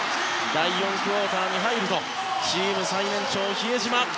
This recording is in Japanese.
第４クオーターに入るとチーム最年長、比江島。